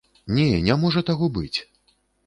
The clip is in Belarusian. Не, не можа таго быць!